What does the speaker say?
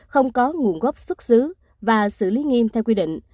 không có nguồn gốc xuất xứ và xử lý nghiêm theo quy định